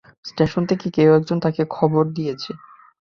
Station থেকে কেউ একজন তাকে খবর দিয়েছে।